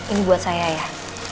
ini buat saya ya